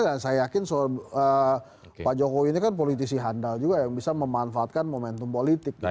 saya yakin pak jokowi ini kan politisi handal juga yang bisa memanfaatkan momentum politik